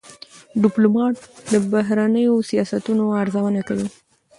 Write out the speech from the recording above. ډيپلومات د بهرنیو سیاستونو ارزونه کوي.